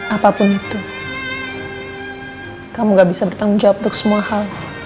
apapun itu kamu gak bisa bertanggung jawab untuk semua hal